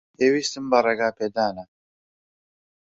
پێویستیم بە ڕێگەپێدانە.